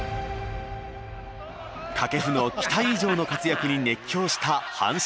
掛布の期待以上の活躍に熱狂した阪神ファン。